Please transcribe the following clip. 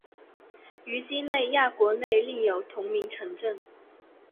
于几内亚国内另有同名城镇。